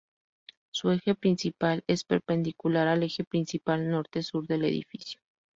Su eje principal es perpendicular al eje principal norte-sur del edificio.